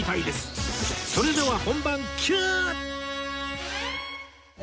それでは本番キュー！